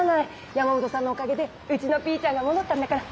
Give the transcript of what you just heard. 山本さんのおかげでうちのピーちゃんが戻ったんだから。